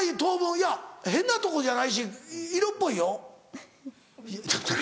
いや変なとこじゃないし色っぽいよ。